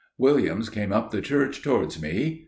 "Williams came up the church towards me.